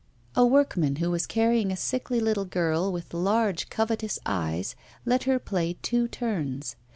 A workman who was carrying a sickly little girl with large covetous eyes, let her play two turns.